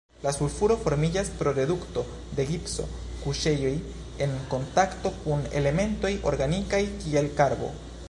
La sulfuro formiĝas pro redukto de gipso-kuŝejoj en kontakto kun elementoj organikaj, kiel karbo.